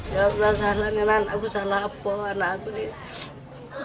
ya allah salah ini anakku salah apa anakku ini